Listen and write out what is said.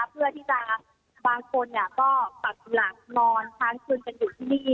เพื่อที่จะบางคนเนี่ยก็ปรับหลังนอนทั้งคืนกันอยู่ที่นี่